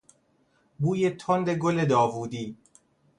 بوی تند گل داوودی